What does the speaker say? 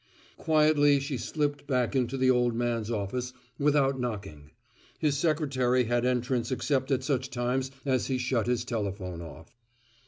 Quietly she slipped back into the old man's office, without knocking. His secretary had entrance except at such times as he shut his telephone off.